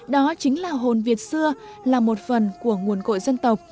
đó chính là hồn việt xưa là một phần của nguồn cội dân tộc